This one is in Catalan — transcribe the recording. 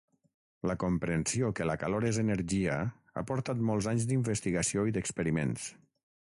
La comprensió que la calor és energia ha portat molts anys d'investigació i d'experiments.